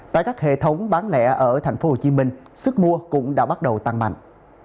tại các hệ thống bán lẻ ở tp hcm sức mua cũng đã bắt đầu tăng mạnh